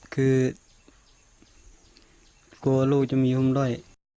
คือกลัวลูกจะมีหุ้มด้อย